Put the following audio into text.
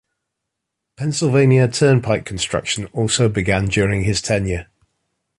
Pennsylvania Turnpike construction also began during his tenure.